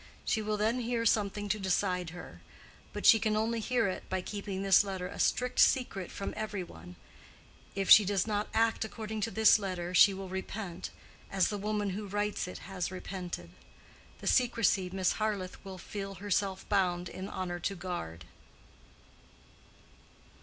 She will then hear something to decide her; but she can only hear it by keeping this letter a strict secret from every one. If she does not act according to this letter, she will repent, as the woman who writes it has repented. The secrecy Miss Harleth will feel herself bound in honor to guard.